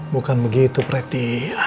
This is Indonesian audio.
bukan begitu preti